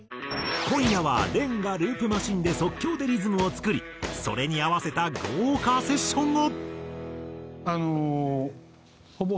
今夜はＲｅＮがループマシンで即興でリズムを作りそれに合わせた豪華セッションを。